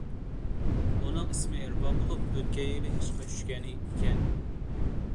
ئۇنىڭ ئىسمى ئېرپان بولۇپ، ئۆتكەن يىلى ئىشقا چۈشكەن ئىكەن.